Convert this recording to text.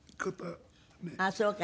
あっそうか。